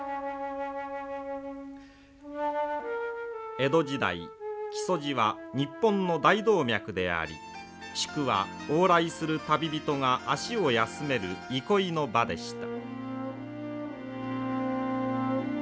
江戸時代木曽路は日本の大動脈であり宿は往来する旅人が足を休める憩いの場でした。